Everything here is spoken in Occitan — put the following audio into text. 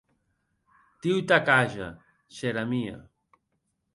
Diu t’ac age, chère amie.